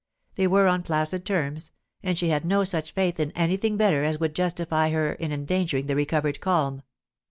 They were on placid terms, and she had no such faith in anything better as would justify her in endangering the recovered calm.